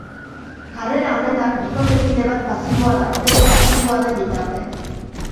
Jarrera honetan bikotekide bat pasiboa da, bestea aktiboa den bitartean.